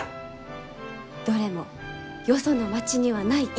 どれもよその町にはない逸品ぞろい。